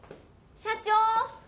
社長！